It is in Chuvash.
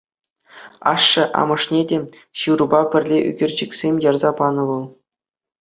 Ашшӗ-амӑшне те ҫырупа пӗрле ӳкерчӗксем ярса панӑ вӑл.